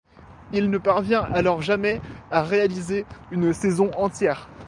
Il ne parvient alors jamais à réaliser une saison entière.